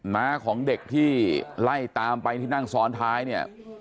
น้าของเด็กที่ไล่ตามไปที่นั่งซ้อนท้ายเนี่ย